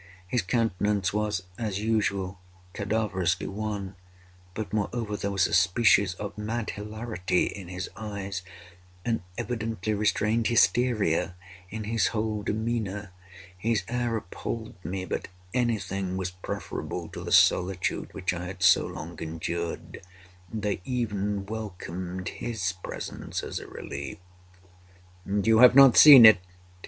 His countenance was, as usual, cadaverously wan—but, moreover, there was a species of mad hilarity in his eyes—an evidently restrained hysteria in his whole demeanor. His air appalled me—but anything was preferable to the solitude which I had so long endured, and I even welcomed his presence as a relief. "And you have not seen it?"